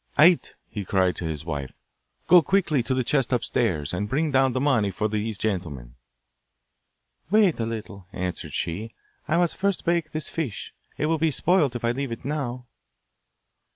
'Aite,' he cried to his wife, 'go quickly to the chest upstairs, and bring down the money for these gentlemen.' 'Wait a little,' answered she; 'I must first bake this fish. It will be spoilt if I leave it now.